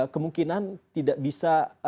kemungkinan tidak bisa